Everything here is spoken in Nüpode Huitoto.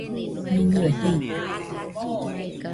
Miñɨe jitate.